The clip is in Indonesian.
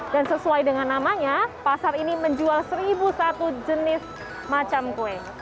dan sesuai dengan namanya pasar ini menjual seribu satu jenis macam kue